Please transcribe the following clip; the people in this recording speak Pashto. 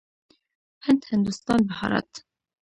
هند، هندوستان، بهارت.